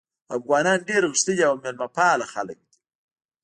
افغانان ډېر غښتلي او میلمه پاله خلک دي.